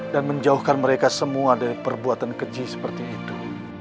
dan menjauhkan mereka semua dari perbuatan keji seperti itu